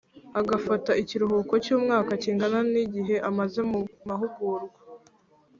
agafata ikiruhuko cy umwaka kingana ni gihe amaze mu mahugurwa